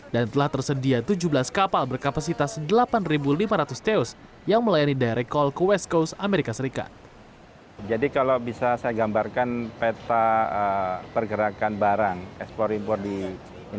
dan telah tersedia tujuh belas kapal berkapasitas delapan juta teus per tahun